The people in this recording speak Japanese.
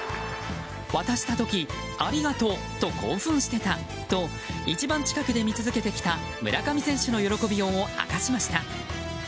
渡した時ありがとうと興奮してたと一番近くで見続けてきた村上選手の喜びようを明かしました。